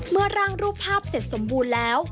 ร่างรูปภาพเสร็จสมบูรณ์แล้ว